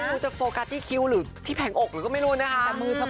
เขาจะโพรกัสที่คิ้วหรือที่แผงอกหรือก็ไม่รู้นะคะแต่เพื่อน